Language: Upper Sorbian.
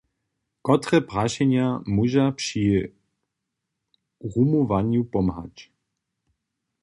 Kotre prašenja móža při rumowanju pomhać?